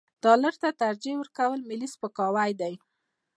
ډالر ته ترجیح ورکول ملي سپکاوی دی.